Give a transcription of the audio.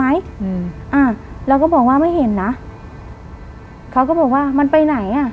อืมอ่าเราก็บอกว่าไม่เห็นนะเขาก็บอกว่ามันไปไหนอ่ะ